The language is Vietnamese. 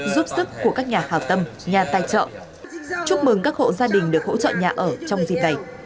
giúp sức của các nhà hào tâm nhà tài trợ chúc mừng các hộ gia đình được hỗ trợ nhà ở trong dịp này